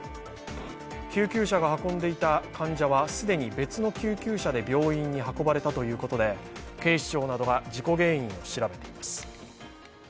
救急車が運んでいた患者は既に別の救急車で病院に運ばれたということで警視庁などが事故原因を調べています。